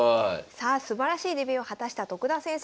さあすばらしいデビューを果たした徳田先生。